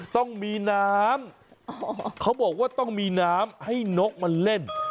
ต้องมีน้ำเขาบอกว่าต้องมีน้ำให้นกมาเล่น